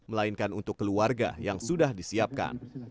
melainkan untuk keluarga yang sudah disiapkan